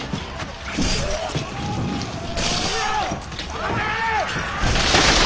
待て！